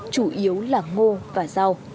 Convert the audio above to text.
chủ yếu là ngô và rau